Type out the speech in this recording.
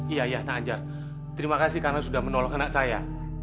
iya iya anak anjar terima kasih karena sudah menolong anak saya